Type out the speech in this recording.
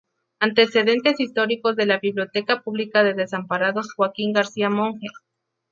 Antecedentes históricos de la Biblioteca Pública de Desamparados Joaquín García Monge.